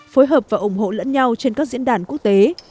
phối hợp và ủng hộ lẫn nhau trên các diễn đàn quốc tế